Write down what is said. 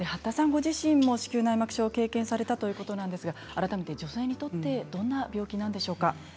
ご自身も子宮内膜症を経験されたということですが改めて女性にとってどんな病気ですか？